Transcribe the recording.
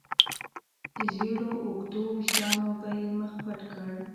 زېړو اوږدو وېښتانو به يې مخ پټ کړ.